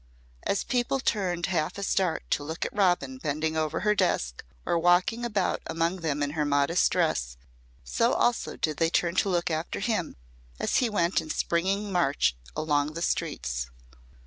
As people turned half astart to look at Robin bending over her desk or walking about among them in her modest dress, so also did they turn to look after him as he went in springing march along the streets.